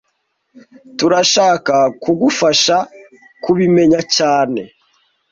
Turashaka kugufasha kubimenya cyane